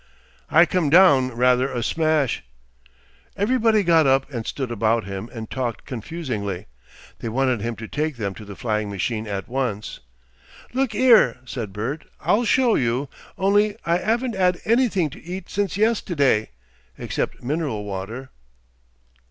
"I come down rather a smash ." Everybody got up and stood about him and talked confusingly. They wanted him to take them to the flying machine at once. "Look 'ere," said Bert, "I'll show you only I 'aven't 'ad anything to eat since yestiday except mineral water."